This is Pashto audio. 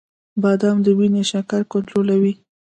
• بادام د وینې شکر کنټرولوي.